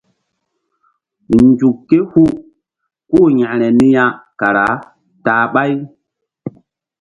Nzuk ké hu kú-u yȩkre niya kara ta-a ɓáy.